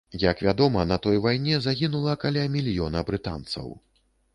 Як вядома, на той вайне загінула каля мільёна брытанцаў.